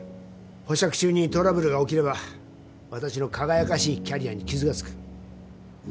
保釈中にトラブルが起きれば私の輝かしいキャリアに傷が付く。